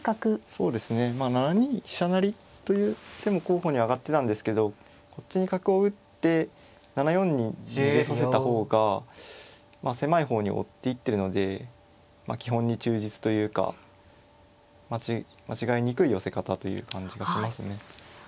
そうですね７二飛車成という手も候補に挙がってたんですけどこっちに角を打って７四に逃げさせた方がまあ狭い方に追っていってるので基本に忠実というか間違えにくい寄せ方という感じがしますね。